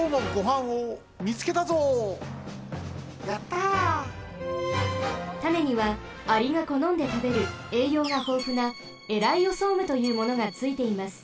たねにはアリがこのんでたべるえいようがほうふなエライオソームというものがついています。